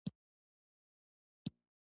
د توکوګاوا شوګانان د فیوډالي خانانو طبقه وه.